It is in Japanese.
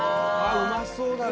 うまそうだな。